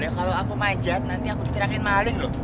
kalau aku majat nanti aku teriakin maling